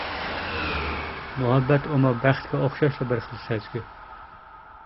مۇھەببەت ئۇمۇ بەختكە ئوخشاشلا بىر خىل سەزگۈ.